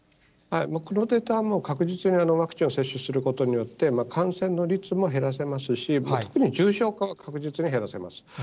このデータはもう、確実にワクチンを接種することによって、感染の率も減らせますし、特に重症化は確実に減らせます。